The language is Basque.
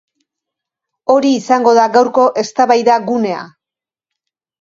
Hori izango da gaurko eztabaida gunea.